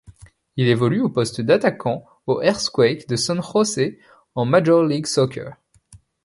Il évolue au poste d'attaquant aux Earthquakes de San Jose en Major League Soccer.